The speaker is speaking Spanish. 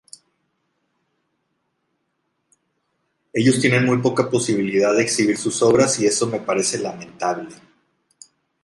Ellos tienen muy poca posibilidad de exhibir sus obras y eso me parece lamentable.